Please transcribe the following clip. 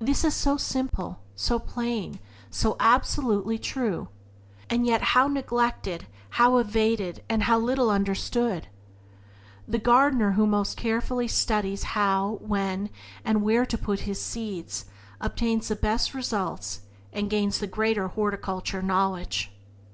This is so simple, so plain, so absolutely true! and yet how neglected, how evaded, and how little understood! The gardener who most carefully studies how, when, and where to put in his seeds obtains the best results and gains the greater horticultural knowledge.